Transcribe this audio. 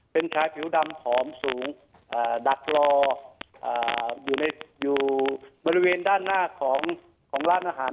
เป็นชายผิวดำผอมสูงดักรออยู่บริเวณด้านหน้าของร้านอาหาร